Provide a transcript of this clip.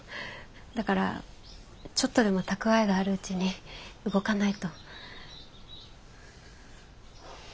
だからちょっとでも蓄えがあるうちに動かないと。